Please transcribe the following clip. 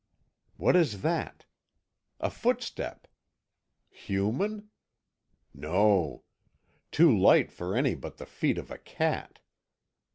What is that? A footstep! Human? No. Too light for any but the feet of a cat!"